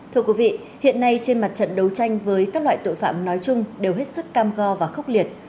thưa quý vị hiện nay trên mặt trận đấu tranh với các loại tội phạm nói chung đều hết sức cam go và khốc liệt